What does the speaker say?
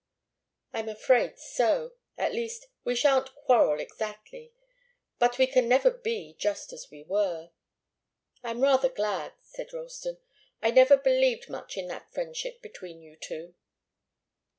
"I'm afraid so, at least, we shan't quarrel exactly. But we can never be just as we were." "I'm rather glad," said Ralston. "I never believed much in that friendship between you two."